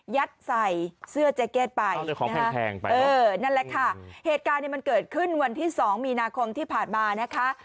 ใส่เสื้อเจ๊เก็ตไปแทงไปเออนั่นแหละค่ะเหตุการณ์เนี่ยมันเกิดขึ้นวันที่๒มีนาคมที่ผ่านมานะคะ